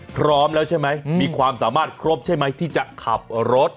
พร้อมแล้วใช่ไหมมีความสามารถครบใช่ไหมที่จะขับรถ